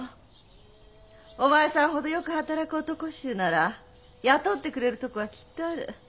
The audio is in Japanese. お前さんほどよく働く男衆なら雇ってくれるとこはきっとある。